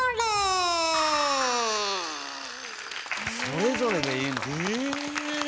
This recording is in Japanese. それぞれでいいの？え？